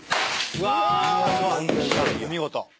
お見事。